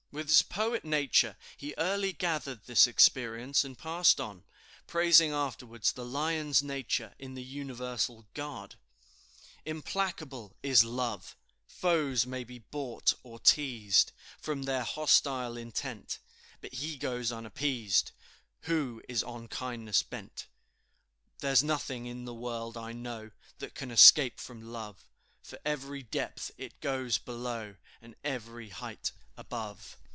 With his poet nature, he early gathered this experience, and passed on; praising afterwards the lion's nature in the universal god: "Implacable is Love, Foes may be bought or teased From their hostile intent, But he goes unappeased Who is on kindness bent. "There's nothing in the world, I know, That can escape from Love, For every depth it goes below, And every height above."